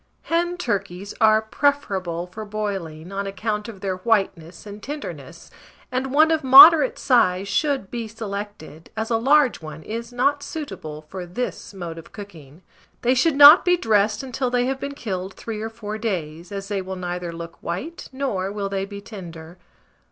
Hen turkeys are preferable for boiling, on account of their whiteness and tenderness, and one of moderate size should be selected, as a large one is not suitable for this mode of cooking. They should not be dressed until they have been killed 3 or 4 days, as they will neither look white, nor will they be tender.